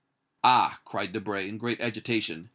"Ah!" cried Debray, in great agitation.